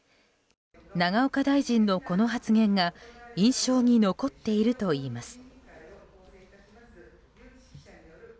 永岡大臣のこの発言が印象に残っているといいます。